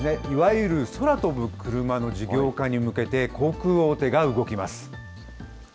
いわゆる空飛ぶ車の事業化に向けて、航空大手が動きます。